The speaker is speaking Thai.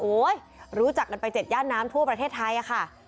โอ๊ยรู้จักได้ไป๗ย่างน้ำทั่วประเทศไทยอะค่ะ